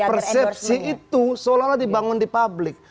persepsi itu seolah olah dibangun di publik